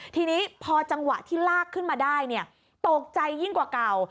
ทีนี้พอจังหวะที่ลากขึ้นมาได้ตกใจยิ่งกว่าเก่า